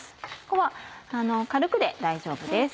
ここは軽くで大丈夫です。